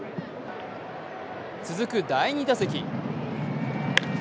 続く第２打席